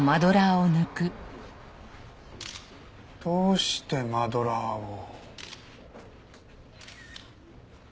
どうしてマドラーを？